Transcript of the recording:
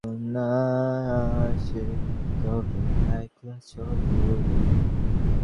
ব্রাহ্মণকে অনেকের মঙ্গল করিতে হইবে, এইজন্যই অনেকের সংসর্গ হইতে ব্রাহ্মণ বঞ্চিত।